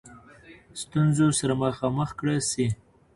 ستونزو سره مخامخ کړه سي.